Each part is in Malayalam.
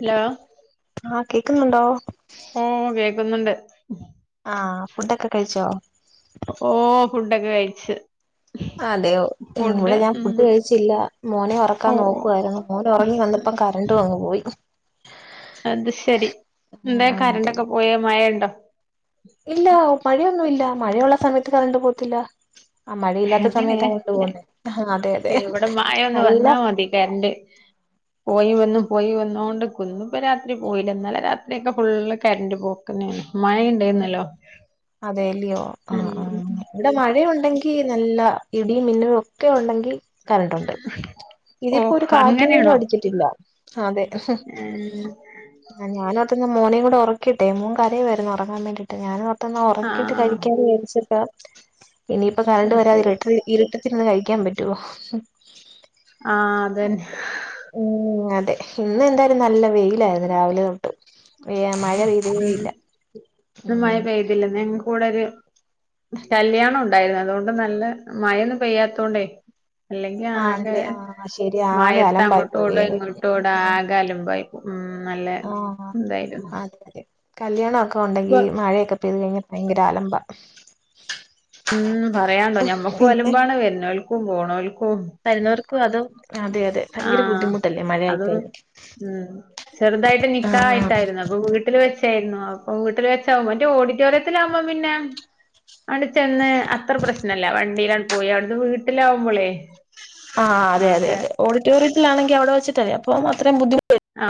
ഇല്ലാ കേൾക്കുന്നുണ്ടോ ഓ കേൾക്കുന്നുണ്ട് ആഹ ഫുഡൊക്കെ കഴിച്ചോ അക്ഷ [inaudible] അതെയോ ഇവിടെ ഞാൻ ഫുഡ് കഴിച്ചില്ല മോനെ ഓ ഉറക്കാൻ ഓ നോക്കുവായിരുന്നു മോന ഉറങ്ങി വന്നപ്പം കരണ്ട് ഉം അങ്ങ് പോയി അത് ശരി എന്താ അതെ കരണ്ടൊക്കെ പോയ [inaudible] ഇല്ല മഴയൊന്നും ഇല്ല മഴയുള്ള സമയത്ത് കറണ്ട് പോത്തില്ല അങ്ങനെയ ആഹ് അതെ അതെ ഇവിടെ മാഴ ഒന്ന് നല്ല വന്നാ മതി കറണ്ട് പോയി വന്നു പോയി വന്നോ ട്ക്കുന്നു പ്പൊ രാത്രി പോയില ഇന്നലെ രാത്രിയൊക്കെ ഫുള്ള് കറണ്ട് പോക്കെന്നേണ് മഴണ്ടാര്ന്നല്ലോ അതെല്ലയോ ആ ആ ഇവിടെ മഴയുണ്ട് ങ്കി നല്ല ഇടി മിന്നും ഒക്കെ ഉണ്ടെങ്കി കറണ്ട് ഉണ്ട് ഓ ഇതിപ്പോ ഒരു കാറ്റ് പോലും അങ്ങനെയാണോ അടിച്ചിട്ടില്ല അതെ ഉം [unintelligible] മോനെ കൂടെ ഉറക്കിട്ടെ മോൻ കരയുകയാര്ന്നു ഉറങ്ങാൻ വേണ്ടിട്ട് ഞാന ഒന്ന് ഉറക്കിയിട്ട് ആഹ് കഴിക്കാൻ വിചരിച്ചിട്ടാ ഇനിയിപ്പൊ കരണ്ട് അത് ശരി വരാതിരിട്രി ഇരട്ടത്തിര്ന്ന് കഴിക് ക്കാൻ പറ്റുവോ ആഹ് അതന്നെ ഉം അതെ ഇന്ന് എന്തായാലും നല്ല വെയിലായിരുന്നു രാവിലെ തൊട്ട് വെയാം മഴ പെയ്തതെ ഉം ഇല്ല കൂടെരു കല്യാണം ഉണ്ടായിരുന്നു അതോണ്ട് നല്ല മഴ ഒന്നും പെയ്യാത്തോണ്ടേ അല്ലെങ്കി ആകെ ആണല്ലേ ആഹ് ശരി ആകെ മഴത്ത് അലമ്പായി അങ്ങോട്ട് ഓട പോയേനെ ഇങ്ങോട്ട് ഓട ആകെ അലമ്പായി ഉം നല്ല തായിരുന്നു കല്യാണ ഓക് പ്പൊണ്ടെങ്കി മഴയക്കെ പെയ്ത് കഴിഞ്ഞ ഭയങ്കര ആലമ്പ ഉം പറയാണ്ടോ ഞമ്മക്ക് ഒലമ്പാണ് വര്നോൽകും പോ ഓൽ വരുന്നൂർക്കു അതോ ആഹ് അത് ഉ ചെറുതായിട്ട് ആഹ് നിക്കായിട്ടായിരുന്നു അപ്പൊ വീട്ടിൽ വെച് ച്ചായിരുന്നു അപ്പൊ വീട്ടില് വെച്ചാവുമ്പോ ന്റെ ഓഡിറ്റോറിയത്തിലാഉമ്പോ പിന്നെ അട് ചെന്ന് അത്ര പ്രശ്നല്ല വണ്ടിയില പോയി അവിടുന്ന് വീട്ടിലാവുമ്പോളെ ആ അതെ അതെ അതെ ഓഡി റ്റോറിയത്തിലാണെങ്കി അവിടേ വെച്ചിട്ടേ അപ്പം അത്ര ബുദ്ധിമു ആ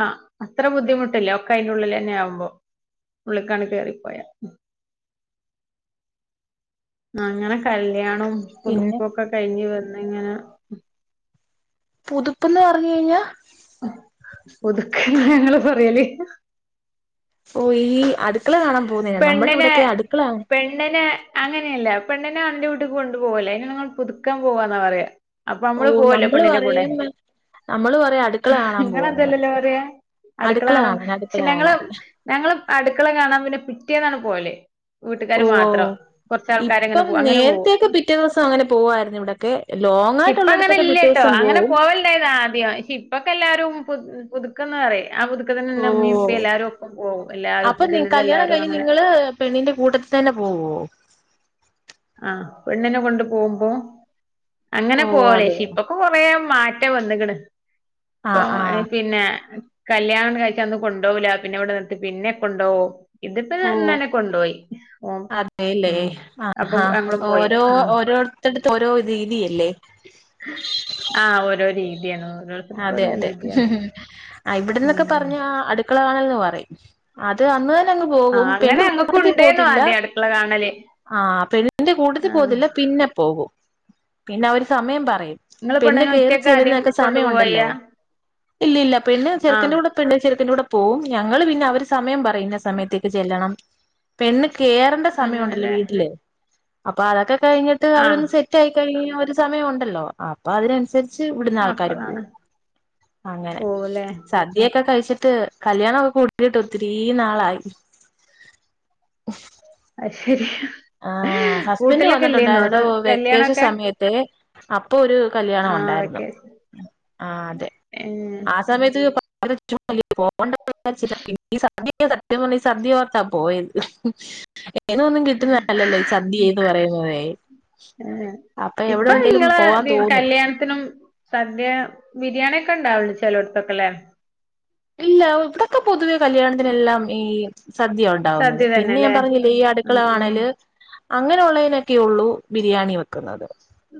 ആ അത്ര ബുദ്ധിമുട്ടില്ലേ ഒക്കെ അയിന്റെ ഉള്ളിൽ തന്നെ ആവുമ്പോ ഉള്ളിക്കാണ് കേറിപ്പോയാ ആ അങ്ങനെ ക ല്ല്യാണം പിന്നെ പുതുക്കൊക്കെ കഴിഞ്ഞു വ ന്നി ഇങ്ങനെ പുതുപ്പ്ന്ന് പറഞ്ഞു കഴിഞ്ഞാ പുതുക്ക ഞങ്ങള് പറയലേ ഓ ഈ അടുക്കളെ കാണാൻ പോകുന്നതിനാ നമ്മുടെ പെണ്ണിനെ ഇവിടെയൊക്കെ അടുക്കള പെണ്ണിനെ അങ്ങനെയല്ല പെണ്ണിനെ ആണിന്റെ വീട്ടി കൊണ്ടു പോവല്ലേ അതിനെ നിങ്ങൾ പുതുക്കം പോവാന്നാ പറയാ അപ്പൊ ഓ നമ്മള് പോവല്ലോ പെണ്ണിന്റെ കൂടെ പറയും നമ്മള് പറയും അടുക്കള കാണാൻ പോവാന്ന് നിങ്ങളെന്തല്ലല്ലോ പറയും അറിയ അടുക്കള അടുക്കളാണ് കാണാൻ അടുക്കള പക്ഷെ ഞങ്ങള് കാണാൻ ഞങ്ങള് അടുക്കള കാണാൻ പിന്നെ പിറ്റെ പിറ്റേന്നാണ് പോവല് ഓ വീട്ടുകാര് മാത്രം കൊറച്ചാൾക്കാരങ്ങനെ ഇപ്പം പോ അങ്ങനെ നേരത്തെയൊക്കെ പോവും പിറ്റേ ദിവസം അങ്ങനെ പോവായിരുന്നു ഇവിടൊക്കെ ലോങ് ഇപ്പ അങ്ങനെ ആയിട്ടുള്ളടത്തൊക്കെ പിറ്റേ ഇല്ലട്ടോ ദിവസം അങ്ങനെ പോവും പോവല്ല ഇതാ ആദ്യം പക്ഷ ഇപ്പൊക്കെ എല്ലാരും പുതു പുതുക്കുന്നറി ആ പുതുക്ക ഓ തന്നെ ഉമ്മി ഉപ്പി എല്ലാരും ഒക്കെ ഒപ്പം പോവും എല്ലാരും അപ്പൊ നി പുതിത് കല്യാണം എല്ലാരും കഴിഞ്ഞ് അങ്ങനെ നിങ്ങള് പെണ്ണിന്റെ കൂട്ടത്തി തന്നെ പോവോ ആഹ പെണ്ണിനെ കൊണ്ട് പോകുമ്പോ ഓ അങ്ങനെ പോലേ അതെയോ ഇപ്പൊക്കെ കൊറേ മാറ്റം വന്ന്ക്ക്ണ് ഇപ്പൊ ആഹ് എ ആഹ് പിന്നെ കല്യാണം കഴിച്ചാ അന്ന് കൊണ്ടപോകൂല്ല പിന്നെ ഇവിടെ നിർത്തി പിന്നെ കൊണ്ടപോകും ഇതിപ്പോന്നന്നെ കൊണ്ടുപോയി അതേ ല്ലേ ആ അപ്പൊ ഹാ ഞങ്ങളും പോയി ഓരോ ഉം ഓരോരുത്തടുത്ത് ഓരോ രീതിയല്ലേ ആഹ് ഓരോ അതെ രീതിയാണ് ഓരോരുത്തർക്കും അതെ ഓരോ അതെ രീതിയാണ് ആ ഇവിടന്നൊക്കെ ഉം പറഞ്ഞ അടുക്കള കാണൽ [unintelligible] അത് അന്ന് ങ്ങ് പോകും ആഹ് അങ്ങനെ പെണ്ണ് ഞങ്ങക്കും [unintelligible] ഉണ്ടേന്നു പോകത്തില്ല ആദ്യം അടുക്കള കാണല് ആ പെണ്ണിന്റെ കൂട്ടത്തി ആഹ് പോവതില്ല പിന്നെ പോകൂ പിന്നെ ഒരു സമയം പറ ഇങ്ങളെ [unintelligible] പെണ്ണ് പെണ്ണിനെ കേറി ഒറ്റക്കാ ആദ്യം ചെല്ലുന്നൊക്കെ കൊണ്ടു സമയ ഉണ്ടല്ലോ പോവയ്യ ഇല്ലല്ല പെണ്ണ് ചെറുക്കന്റെ ആഹ് കൂടെ പെണ്ണ് ചെറുക്കന്റെ കൂടെ പോവും ഞങ്ങള് പിന്നെ അവര് സമയം പറ ട്രെയിന്റെ സമയത്തേക്ക് ചെല്ലണം. പെണ്ണ് ചെ കേറണ്ട സമയുണ്ടലോ അങ്ങനെല്ലേ വീട്ടില് അപ്പാതൊക്കെ കഴിഞ്ഞിട്ട് ആഹ് അവരൊന്ന് സെറ്റായി കഴിഞ്ഞവർ സമയ ഒണ്ടല്ലോ അപ്പൊ അതിനൻസര് ഇവിടുന്നാൾക്കാര് പോവും. അപ്പളാണ് അങ്ങനെ പോവുല്ലേ സദ്യക്കെ കഴിച്ചി ട്ട് കല്യാണൊക്കെ കൂടിട്ട് ഒത്തിരീ നാളായി [inaudible] അത് ശരിയ ആഹ് ഹസ്ബൻഡ് അത് വന്നിട്ടുണ്ടായന്നെടോ വെക്കേഷൻ കല്യാണൊക്കെ സമയത്തെ ആഹ് പ്പൊ ഒരു കല്യാണം ആഹ് ഒണ്ടായിരുന്നു വെക്കേഷൻ ആഹ് അതെ ഏഹ് ആ സമയത്ത് [unintelligible] സത്യം പറഞ്ഞ ഈ സദ്യ ഓർത്താ പോയത് എന്ന ഒന്നും കിട്ട് ല്ലല്ലോ ഈ സദ്യേന്ന് പറയുന്നതേ ആഹ് അപ്പൊ എവിടെ ഇപ്പൊ ഉണ്ടേലും ഇങ്ങളെ പോവാൻ ബി തോന്നും കല്യാണത്തിനും സദ്യാ ബിരിയാണി ഇപ്പണ്ടാവും ചെലോട്തൊക്കെ ലെ ഇല്ല ഇവ്ടൊക്കെ പൊതുവെ കല്യാണത്തിനെല്ലാം ഈ സദ്യാ ഒണ്ടാവുന്നത് സദ്യ പിന്നെ ഞാൻ തന്നെല്ലേ പറഞ്ഞില്ലേ ഈ അടുക്കള ആഹ് കാണല് അങ്ങനെ ഒള്ളീനൊക്കെ ഉള്ളൂ ബിരിയാണി വെക്ക്ന്നത്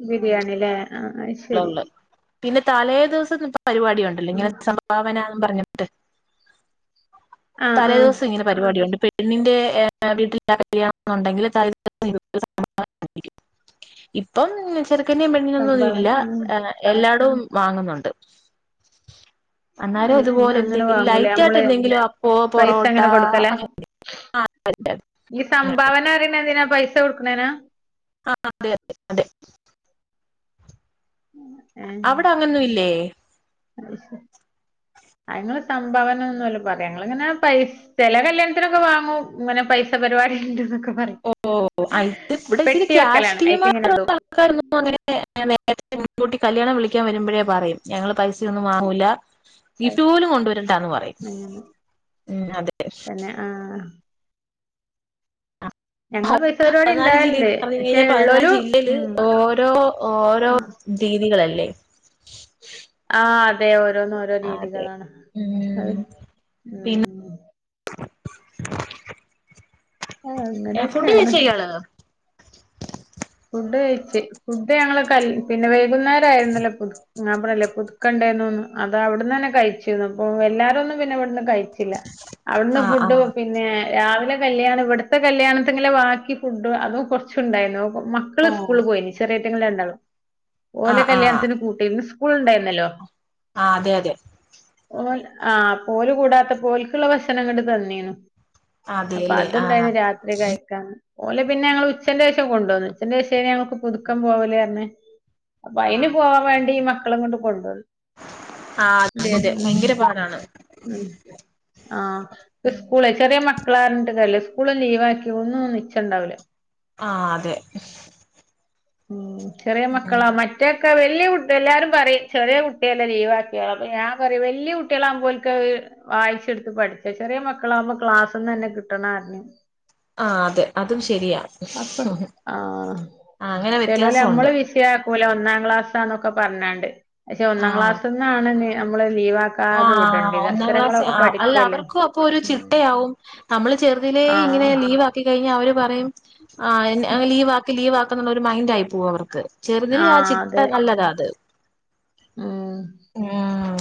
ബിരിയാണില്ലേ ആഹ് അത് ഒള്ളെ ശരി ഒന്ന് പിന്നെ തലേ ദിവസക്കെ പരിപാടിയൊണ്ടല്ലോ ആഹ് [unintelligible] സംഭാവനാന്നും പറഞ് ട്ട് ആഹ് തലേ ആഹ് ദിവസ്സ ഇങ്ങനെ പരിപാടിയുണ്ട് പെ ണ്ണിന്റെ ഏ വീട്ടിൽ ആ കല്യാണം എന്നുണ്ടെങ്കില് [unintelligible] ഇപ്പം ചെർക്കന്റേം പെണ്ണിനൊന്നു സംഭാവന [unintelligible] ആഹ് ഏഹ് എല്ലാ ടും വാങ്ങുന്നുണ്ട് ആ അന്നേരം ഇതുപോലെ അങ്ങനെ എന്തെങ്കിലും വാങ്ങും ലേ ലൈറ്റ് ആയിട്ട് നമ്മള് എന്തെങ്കിലും അപ്പോ പൈസ പൊറോട്ട അങ്ങനെ കൊടുക്കല. ഈ അങ്ങനെ സംഭാവന അറീണെന്തിനാ പൈസ കൊ ണേനാ ആഹ് അതെ അതെ അതെ അവ്ടങ്ങനൊന്നുല്ലേ അങ്ങള് സംഭാവന ഒന്നല്ല പർയാ ഞങ്ങളിങ്ങനെ പൈ ചെല കല്യാൺത്തിനൊക്കെ വാങ്ങും ഇങ്ങനെ പൈസ പരിപാടി ഇണ്ട് നൊക്കെ ഒ ഓ ഒ വെക്കലാണ് അയിക്കിങ്ങനെ [unintelligible] ഇടും ആൾക്കാരൊന്നും അങ്ങനനെ നേരത്തെ മുൻകൂട്ടി കല്യാണം വിളി ക്കാൻ വരുമ്പോഴേ പറയും ഞങ്ങൾ പൈസയൊന്നും വാങ്ങൂല കീശു പോലും കൊണ്ടുവരണ്ടാന്ന് പറയും അങ്ങനെ ഉം അതെ തന്നെ ആഹ് ഹൊ ഞങ്ങള് പൈസ പരിപാടി പതിനാല് ഇണ്ടാവല്ണ്ട് ജില്ലന്ന് പറഞ്ഞ പക്ഷെ കഴിഞ്ഞാൽ പതിനാല് ഇള്ളോലും ജില്ലയില് ഉം ഓരോ ഓരോ രീതികളല്ലേ ആ് അതെ ഒ ഓരോന്ന ഓരോ അതെ രീതികളാണ് ഉം അതെ ഉം [inaudible] ആ ഫുഡ് കയ്ച്ച് അങ്ങനെയൊക്കെയാണ് കയിഞ്ഞാണോ ഫുഡ് കഴിച്ച് ഫുഡ് ഞങ്ങള് കൽ പിന്നെ വൈകുന്നേരായിുന്നല്ലോപ്പൊ ങ്ങാ പറല്ലേ പുതുക്കണ്ടേന്ന്ന്നു അത് അവിടന്നന്നെ കഴിച്ചിരുന്നു പ്പൊ എല്ലാരു ഒന്ന് പിന്നെവിടുന്ന് കഴിച്ചില്ല അവിടുന്ന് ആഹ് ഫുഡ് ആഹ് പിന്നെ രാവിലെ കല്യാണം ഇവിടത്തെ കല്യാണത്തിങ്ങലെ വാക്കി ഫുഡും അതും കൊറച്ചുണ്ടായിരുന്നു മക്കള് സ്കൂള് പോയിന് ചെറിയ [unintelligible] ഓലെ ആഹ് കല്യാണത്തിന് കൂട്ടീന്ന് ക്കൂളുണ്ടായിന്നല്ലോ ആ അതെ അതെ ഓല് ആ പോല് കൂടാത്ത പോൽക്കുള്ള ഭക്ഷണംങ്ങ് തന്നീന്നു അപ്പൊ അതെല്ലേ ആഹ് അതുണ്ടായിന് രാത്രി കഴിക്കാൻ ഓലെ പിന്നെ ഞങ്ങള് ഉച്ചന്റെശേഷം കൊണ്ടുവന്നു ജന്റ്ഷ് തേനേ നമുക്ക് പുതുക്കം പോവല്ർഞ്ഞ് അപ്പൊ അയിന് ആഹ് പോവാൻ വേണ്ടി മ ക്കളേം കൊണ്ട് പോണ് ണ്ടോൽ ആഹ് അതെ അതെ ഉം ഭയങ്കര പാടാണ് ഉം ആ ഉം സ്കൂള് ചെറിയ മക് മക്കളാർഞ്ഞിട്ട് കാര്യല്ല സ്കൂള് ലീവാക്കി ഒന്നും നിച്ചണ്ടാവുല ആ അതെ ഉം ചെറിയ ഉം മക്കളാ മറ്റേഒക്കെ വൽ ല്ല്യ കുട്ടി എല്ലാരും പറീം ചെറിയ കുട്ടിയല്ലേ ലീവാക്കിയാലപ്പൊ ഞാൻ പറയും വലിയ കുട്ടികളാവുമ്പോൽക്ക് വായിച്ചെടുത്ത് പഠിച്ച ചെറിയ മക്കളാാവുമ്പോ ക്ലാസ്ന്ന്ന്നെ കിട്ടണ റഞ്ഞു ആ അത് അതും ശരിയാ ആ അങ്ങനെ ചെലോല് വ്യത്യാസമുണ്ട് അമ്മള് വിഷയാ കൂല ഒന്നാം ക്ലാസ്സാന്നൊക്കെ പറഞ്ഞാണ്ട് പക്ഷെ ഒന്നാം ക്ലാസ്സി ന്നാണ് നെ നമ്മളെൽ - ആ ഒന്നാം ക്ലാസ് അല്ല പഠിക്കല്ലേ അവർക്കും അപ്പോ ഒരു ചിട്ടയാകവും നമ്മള് ചെറുതിലേ ഇങ്ങനെ ആഹ് ലീവ് ആക്കി കഴിഞ്ഞാൽ അവര് പറയും. ആ എന്നെ ലീവ് ആക്ക് ലീവ് ആക്ക്. ന്നുള്ള ഒരു മൈൻഡ് ആയി പോകും അവർക്ക്. ചെറുതിലേ ആ ആഹ് ചിട്ട അതെ നല്ലതാ അത്. ഉം ഉം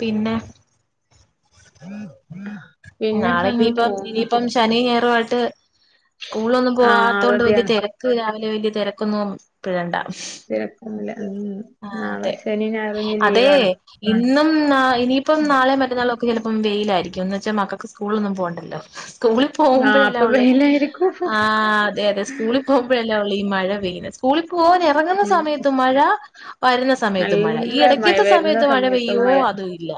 പിന്നെ പിന്നൊക്കെ നാളെ അങ്ങനെ ഇനിയിപ്പം പോകുന്നു ഇനിയിപ്പം ശനി ഞായറുമായി ട്ട് സ്കൂളിലൊന്നു ആഹ് പോവാത്ത കൊണ്ട് വലിയ അവധിയാണ് തിരക്ക് ലിയ വലിയ തിരക്കൊന്നും പിഴണ്ട. തിരക്കൊന്നുല്ല ഉം ആ നാളെ അതെ ശനി ഞായറും ഇഞ്ഞ് അതെ ലീവാണ് ഇന്നും ഇനിയിപ്പം നാളെ മറ്റന്നാളും. ന്ന് ചിലപ്പം വെയിലായിരിക്കുംഎന്ന് വെച്ച മക്കക്ക്. സ്കൂളോന്നും പോവണ്ടല്ലോ. സ്കൂളിൽ ആഹ് അപ്പൊ പോകുമ്പോഴല്ലേഉള്ളൂ വെയിലായിരിക്കും ആഹ് അതെ അതെ സ്കൂളിൽ പോകുമ്പോഴല്ലേ ഉള്ളൂ ഈ മഴ വീന സ്കുളിക്ക് പോവാൻ ഇറങ്ങുന്ന ഉം സമയത്ത് മഴ. വരുന്ന സമയത്ത് മഴ ഈ നല്ല മഴ ഇടയ്ക്കത്തെ വരുന്ന സമയത്ത് മഴ സമയത്തും പെയ്യോ മഴ അതും ഇല്ല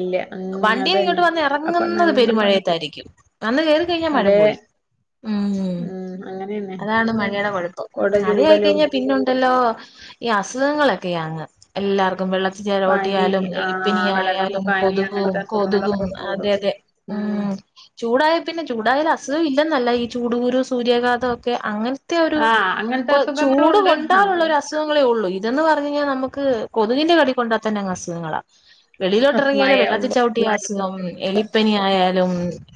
ഇല്ല ഉം വണ്ടിൽ ഇങ്ങോട്ട് അതന്നെ വന്ന് ഇറങ്ങു അപ്പൊ ഇറങ്ങത് നല്ല പെരുമഴയത്തായിരിക്കും വ ന്ന് കയറി കഴിഞ്ഞാൽ മഴ അതെ പോയി ഉം അങ്ങനെന്നെ അതാണ് പക്ഷെ മഴയുടെ കുഴപ്പം കൊട മഴ ചൂടലും ആയിക്കഴിഞ്ഞാൽ പിന്നുണ്ടല്ലോ ഈ അസുഖങ്ങള് ങ്ങളൊക്കെയങ്ങ് എല്ലാവർക്കും വെള്ളത്തി പനി ജരോട്ടിയായാലും ആ വെള്ളത്തിൽ എലിപ്പനിആയാലും പനി കൊതുകും അങ്ങനത്തെ കൊതുകും. അസുഖങ്ങളൊക്കെ അതെ കൂടും അതെ ഉം ചൂടായ പിന്നെ ചൂടായാൽ അസുഖം ഇല്ലെന്നല്ല ഈ ചൂടുകൂരു സൂര്യാഘാതം ഒക്കെ അങ്ങനെ അങ്ങനത്തെ ഒരു ആഹ് അങ്ങനത്തെ അസുഖങ്ങളും ചൂട് ഉണ്ട് കൊണ്ടാലുള്ള നമ്മള് ഒരു അസുഖങ്ങളേ ഉള്ളൂ. ഇതെന്ന് പറഞ്ഞു കഴിഞ്ഞാൽ നമുക്ക് കൊതുകിന്റെ കടികൊണ്ടാ തന്നെ അസുഖങ്ങളാ. വെിളിയിലോട്ട് ഏറെങ്ങ്യൽ വെള്ളത്തി അസ്മയാവുമ്പോ ചവിട്ടിയാ. സ്ലോലീ എലിപ്പനി ആയാലും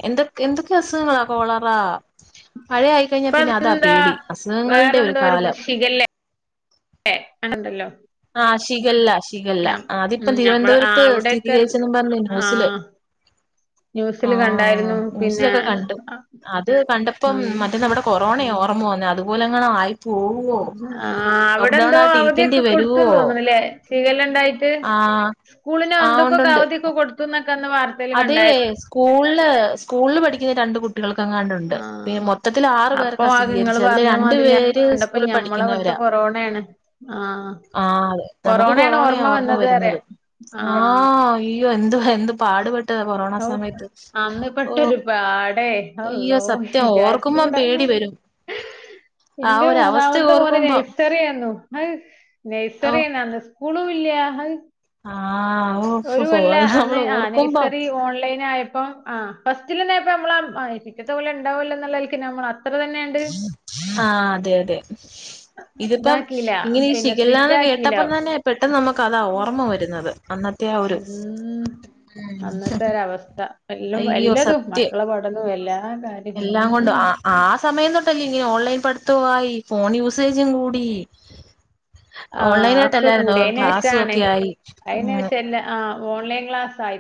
എന്തൊ എന്തൊക്കെ അസുഖങ്ങളാ കോളറ. മഴആയി കഴിഞ്ഞാ ഇപ്പ പിന്നെ അതാ എന്താ പേടി അസുഖങ്ങളുടെ ഒരു കാലം ഏ ആണ്ടല്ലോ. ആ ഷിഗല്ല ഷിഗല്ല ഉം അതിപ്പം ഞമ്മള് ആ തിരുവനന്തപുരത്ത് അവിടെയൊക്കെ സ്ഥിരീകരിച്ചെന്നും പറഞ്ഞു ന്യൂസില് ആഹ് ആ ന്യൂസില് കണ്ടായിരുന്നു പിന്നെ ന്യൂസിലൊക്കെ കണ്ടു അത് കണ്ടപ്പം ഉം മറ്റേ ആ നമ്മടെ കൊറോണയാ ഓർമ ർമ അതുപോലെയാങ്ങാണ് ആയി ആ ലോക്ക്ഡൌൺ അവിടെന്തോ ആയിട്ട് ഇരിക്കേണ്ടി അവധിയൊക്കെ കൊട് വരുവോ ത്ത്ന്ന് തോന്നണല്ലേ ചേല്ണ്ടായിട്ട് ആ സ്കൂളിന് ആ എന്തൊക്കൊക്കെ ഉണ്ടുണ്ട് അവധിയൊക്കെ കൊട് അതേ സ്കൂൾല് സ്കൂളിൽ പഠിക്കുന്ന രണ്ട് കു കുട്ടികൾക്കെങ്ങാണ്ടുണ്ട് പി ആഹ് മൊത്തത്തിൽ ആറു അപ്പൊ പേർക്കാ അത് ഇങ്ങള് സ്ഥികരിച്ചത് അതില് പറഞ്ഞ രണ്ട് മാതിരി പേര് കണ്ടപ്പോ സ്കൂളിൽ ഞമ്മളവിടുത്തെ പഠിക്കുന്നവരാ കൊറോണയാണ് ആഹ് ആ നമുക്ക് കൊറോണയാണ് കൊറോണയാ ഓർമ്മ വന്നത് പറയാ വരുന്നത് ആ ആഹ് ഇ യ്യോ എന്തുവാ എന്തു പാടു പെ ഒ അന്ന് പെട്ടൊരു പാടേ അയ്യോ അള്ളോ സത്യം ഓർക്കുമ്പം വിചാര്ച്ചൂടാ പേടി വരും ആ ന്റെ ഒരു അവസ്ഥ മൂന്നാമത്തെ മോന് ഓർക്കുമ്പം നൈസറിയായിര്ന്നു അഹ് ഓ നൈസറില്ലാന്ന് സ്കൂളും ഇല്ല്യ അഹ് ആഹ് ഒരു ഓ കൊല്ല അത് അന്ന് നമ്മൾ ആ ഓർക്കുമ്പം നഴ്സറി ഓൺലൈൻ ആയപ്പം ആ ഫ റ്റ്ലന്നെപ്പമ്മളാ പിറ്റെത്തെ കൊല്ലം ണ്ടാവല്ലൊന്നെല്ക്ക് ഞമ്മളാ ആ അതെ അതെ ഇതിപ്പം ഇതാക്കീല്ല. ഇങ്ങനെ പിന്നെ ശിഖെല്ലാന്ന് സ്ട്രിക്റ്റാക്കീല്ല. കേട്ടപ്പം തന്നെ പെട്ടെന്ന് നമുക്ക് അതാ ഓർമ്മ വരുന്നത് അന്നത്തെ ആ ഒരു ഉം ഉം അന്നത്തെരവസ്ഥ എല്ലം അയ്യോ എല്ലതും സത്യം മക്കളെ പഠനും എല്ലാ കാര്യം എല്ലാം കൊണ്ടും ഉം ആ ആ സമയം തൊട്ടല്ലേ ഇനി ഓൺലൈൻ പഠി ത്തവായി ഫോൺ യൂസേജും കൂടി ആഹ് ഒക്കെ ഓൺലൈനായിട്ടല്ലായിരുന്നോ കൂടി. ക്ലാസും അയിനേഷാണ് ഒക്കെ ആയി ഉം അയിനേഷം എല്ലാ ആ ഓൺലൈൻ ക്ലാസായി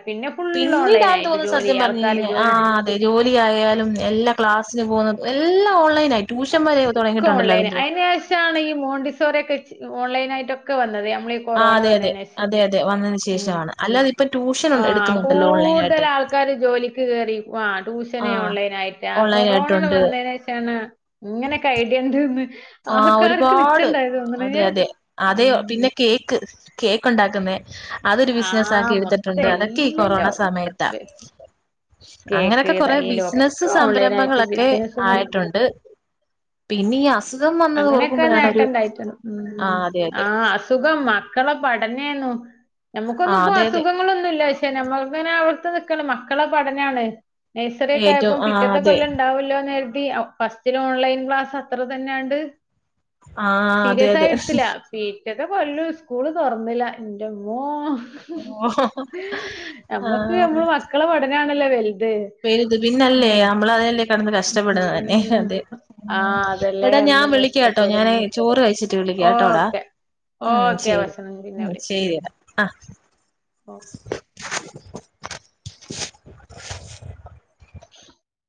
പിന്നീടാന്ന് തോന്ന്ന്നു സത്യം പറഞ്ഞ് ആൾക്കാര് കഴിഞ്ഞാൽ ആ ജോലി അതെ ജോലിയായാലും എല്ലാം ക്ലാസിന് പോകുന്നതും എല്ലാം ഓൺലൈനായി ട്യൂഷൻ വരെ തുടങ്ങിയിട്ടുണ്ടല്ലോ ഒക്കോൺലൈന് അതിന്റെ അയ്ന് ശേഷാണ് ഈ മോണ്ടിസോറ്യാെക്കെ ഓൺലൈനായ്ട്ടൊക്കെ വന്നത് നമ്മളീ ആ കൊറോണ അതെ അതെ വന്നേന് അതെ അതെ വന്നേന് ശേഷമാണ് അല്ലാതെ ഇപ്പൊ ട്യൂഷൻ ആ എടുക്കുന്നുണ്ടല്ലോ കൂടുതൽ ഓൺലൈനായിട്ട് ആൾക്കാര് ജോലിക്ക് കേറി ആ ആ ട്യൂഷന് ഓൺലൈനായിട്ട് ആ ഓൺലൈൻ കൊറോണണ്ട് ആയിട്ടുണ്ട് വന്നേനേഷാണ് ഇങ്ങനെക്കെ ഐഡിയ ഇണ്ട്ന്ന് ആ ആൾക്കാർക്ക് ഒരുപാട് നിച്ചണ്ടായത് അതെ തോന്ന്ണ് അതെ അതെ ഉം പിന്നെ കേക്ക് കേക്ക് ഒണ്ടാക്കുന്നെ അതൊരു ആഹ് ബിസിനസാക്കി മൊത്തം എടുത്തിട്ടുണ്ട് അതൊക്കെ ഈ കൊറോണ എല്ലോം സമയത്താ കേക്ക് അങ്ങനെക്കെ കൊറേ തയ്യലും ബിസിനസ്സ് ഒക്കെ ഓൺലൈനായിട്ട് സംരംഭങ്ങളൊക്കെ ബിസിനസുകള് ആയിട്ടുണ്ട് പിന്നിയ അങ്ങനെയൊക്കെ നേട്ടണ്ടായിട്ട് ആ ഊം അതെ ആ അതെ അസുഖം മ ക്കളെ പഠനേന്നു ആ നമുക്കൊന്നും ഇപ്പോ അതെ അതെ അസുഖങ്ങളൊന്നുല്ല ക്ഷെ നമ്മൾക്ക്ങ്ങനെ അവ്ത്ത് നിക്കണം മക്കളെ പഠനാണ് നയ്സറി ഒക്കെ ഏറ്റവും ആയപ്പം ആ പിറ്റത്തെ അതെ കൊല്ലം ഇണ്ടാവല്ലോന്ന് പി ഫസ്റ്റില് ഓൺലൈൻ ക്ലാസ് അത്ര തന്നെയാ ആ അതെ അതെ എല്ലാ കൊല്ലു സ്കൂള് തൊറന്നില്ല എന്റമ്മോ ഓ ആ നമ്മക്ക് നമ്മള് മക്കള് പഠനാ നല്ല വെലയും വലുത് പിന്നല്ലേ നമ്മൾ അതിനല്ലേ കിടന്ന് കഷ്ടപ്പെടുന്ന തന്നെ ഉം അതെ ഉം ആഹ് അതല്ലേ എടാ ഞാൻ കടന്ന് വിളി കേട്ടോ ഞാനേ കഷ്ടപ്പെടുന്ന് ചോറ് കഴിച്ചിട്ട് വിളിക്കാട്ടോടാ ഓക്കെ ഉം ഓക്കെ ശെരി ഭക്ഷണം ഉം ശെരി ടാ ആ ആ